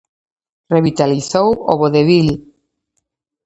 Revitalizou o vodevil.